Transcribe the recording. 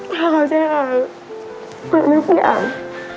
เขาก็จะเอาเหลือทุกอย่าง